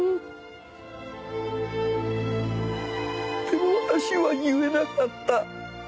でも私は言えなかった。